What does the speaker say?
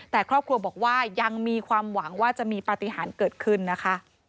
แต่ครอบครัวบอกว่ายังมีความหวังว่าจะมีปฏิหารเกิดขึ้นนะคะ